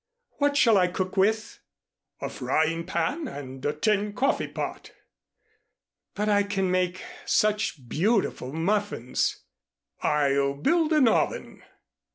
What shall I cook with?" "A frying pan and a tin coffeepot." "But I can make such beautiful muffins." "I'll build an oven."